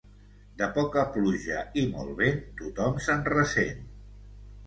De poca pluja i molt vent, tothom se'n ressent.